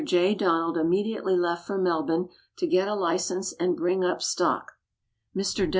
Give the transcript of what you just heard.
J. Donald immediately left for Melbourne to get a license and bring up stock. Mr.